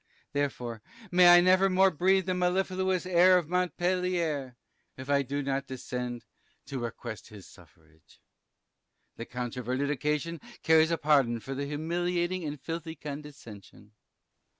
Therefore, may I never more breathe the mellifluous air of Montpellier, if I do not descend to request his suffrage; the controverted occasion carries a pardon for the humiliating and filthy condescension.